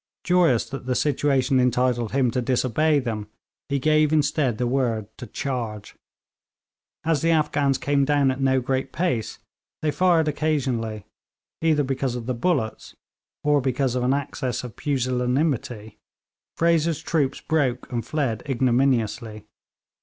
Joyous that the situation entitled him to disobey them, he gave instead the word to charge. As the Afghans came down at no great pace, they fired occasionally; either because of the bullets, or because of an access of pusillanimity, Fraser's troopers broke and fled ignominiously.